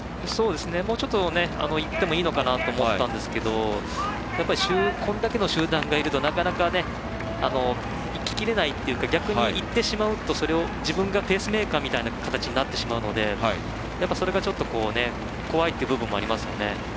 もうちょっと行ってもいいのかなと思ったんですけどこれだけの集団がいるとなかなか、いききれないというか逆に行ってしまうと、自分がペースメーカーみたいな形になってしまうのでやっぱり、それがちょっと怖いっていう部分もありますよね。